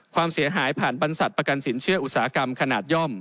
ความเสียหายผ่านบรรษัทประกันสินเชื่ออุตสาหกรรมขนาดย่อม